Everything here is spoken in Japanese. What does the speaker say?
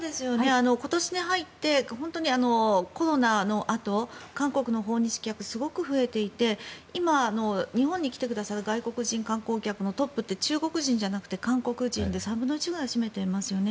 今年に入ってコロナのあと韓国の訪日客すごく増えていて今、日本に来てくださる外国人観光客のトップって中国人じゃなくて韓国人で３分の１ぐらいを占めていますよね。